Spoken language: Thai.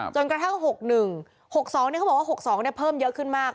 จนกระทั่ง๖๑๖๒เขาบอกว่า๖๒เพิ่มเยอะขึ้นมาก